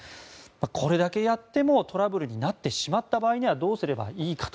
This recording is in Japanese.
これだけやってもトラブルになってしまった場合にはどうすればいいかと。